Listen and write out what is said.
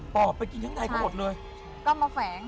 ปอบไปกินทั้งใดก็หมดเลย